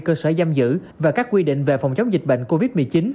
cơ sở giam giữ và các quy định về phòng chống dịch bệnh covid một mươi chín